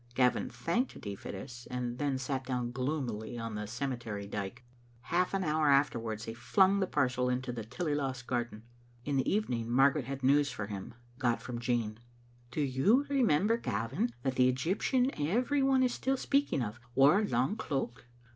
Gavin thanked D. Fittis, and then sat down gloomily on the cemetery dyke. Half an hour afterwards he flung the parcel into a Tillyloss garden. In the evening Margaret had news for him, got from Jean. Do you remember, Gavin, that the Egyptian every one is still speaking of, wore a long cloak?